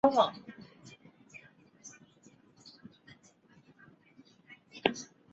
该城也是铁路枢纽。